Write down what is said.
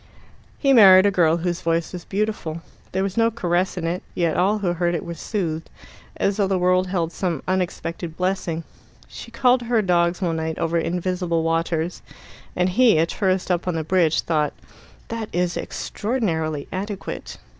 He married a girl whose voice was beautiful. There was no caress in it yet all who heard it were soothed, as though the world held some unexpected blessing. She called to her dogs one night over invisible waters, and he, a tourist up on the bridge, thought "that is extraordinarily adequate."